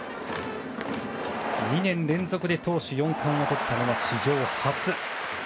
２年連続で投手４冠をとったのは史上初。